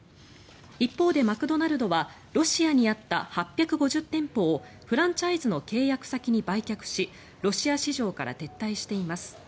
一方でマクドナルドはロシアにあった８５０店舗をフランチャイズの契約先に売却しロシア市場から撤退しています。